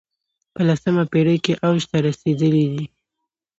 په لسمه پېړۍ کې اوج ته رسېدلی دی